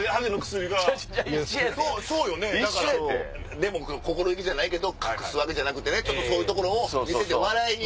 でも心意気じゃないけど隠すわけじゃなくてそういうところを見せて笑いに。